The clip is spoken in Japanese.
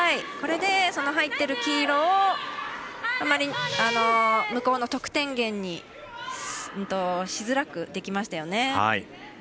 これでその入っている黄色を向こうの得点源にしづらくできましたよね。